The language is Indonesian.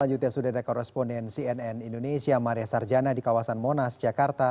selanjutnya sudah ada koresponden cnn indonesia maria sarjana di kawasan monas jakarta